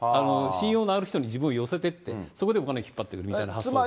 信用のある人に自分を寄せていって、そこでお金を引っ張ってくるみたいな発想ですね。